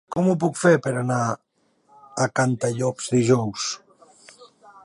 Com ho puc fer per anar a Cantallops dijous?